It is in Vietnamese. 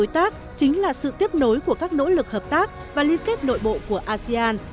tiếp nối của các nỗ lực hợp tác và liên kết nội bộ của asean